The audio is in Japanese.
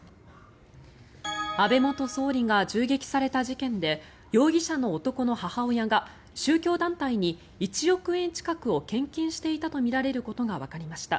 安倍元総理が銃撃された事件で容疑者の男の母親が宗教団体に１億円近くを献金していたとみられることがわかりました。